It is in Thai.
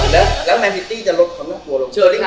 แล้วแมนพิตี้จะลดเพราะมันกลัวลง